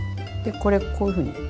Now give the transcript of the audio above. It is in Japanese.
でこれこういうふうに。